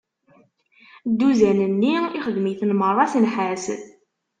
Dduzan-nni ixdem-iten meṛṛa s nnḥas.